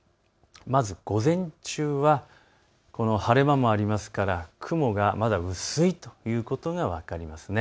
まず午前中は晴れ間もありますから、雲がまだ薄いということが分かります。